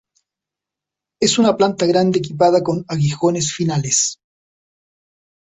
Es una planta grande equipada con aguijones finales.